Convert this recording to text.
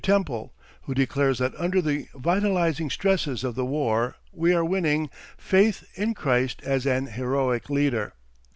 Temple, who declares that under the vitalising stresses of the war we are winning "faith in Christ as an heroic leader.